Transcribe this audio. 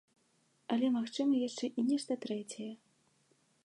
Але магчыма яшчэ і нешта трэцяе.